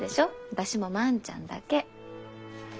私も万ちゃんだけ。